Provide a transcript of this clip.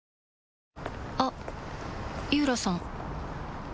あっ井浦さん